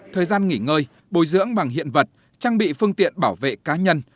thời gian nghỉ ngơi bồi dưỡng bằng hiện vật trang bị phương tiện bảo vệ cá nhân